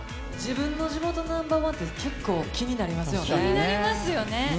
自分の地元ナンバー１って、気になりますよね。